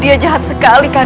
dia jahat sekali kandang